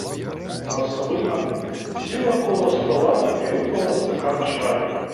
Василина сіла коло стола і випила стакан чаю.